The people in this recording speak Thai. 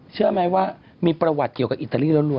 เชื่อไหมว่ามีประวัติเกี่ยวกับอิตาลีล้วน